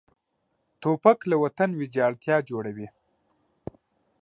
توپک له وطن ویجاړتیا جوړوي.